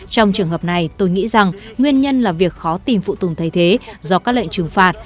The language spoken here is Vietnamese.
trong trường hợp này tôi nghĩ rằng nguyên nhân là việc khó tìm phụ tùng thay thế do các lệnh trừng phạt